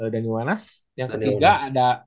dhani wanas yang ketiga ada